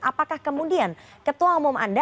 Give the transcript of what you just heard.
apakah kemudian ketua umum anda